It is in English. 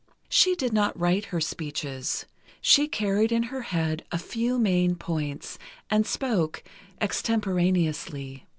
She did not write her speeches. She carried in her head a few main points, and spoke extemporaneously.